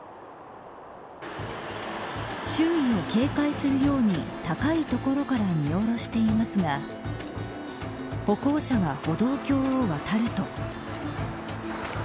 周囲を警戒するように高い所から見下ろしていますが歩行者が歩道橋を渡ると。